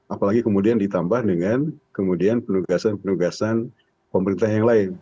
apalagi kemudian ditambah dengan kemudian penugasan penugasan pemerintah yang lain